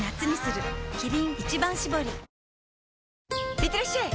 いってらっしゃい！